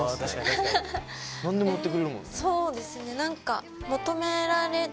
そうですね。何か。